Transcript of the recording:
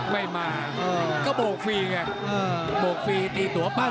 ไม่มาก็โบกฟรีไงโบกฟรีตีตัวปั้ง